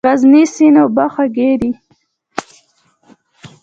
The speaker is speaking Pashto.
د غزني سیند اوبه خوږې دي؟